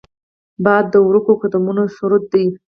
باد د ورکو قدمونو سرود دی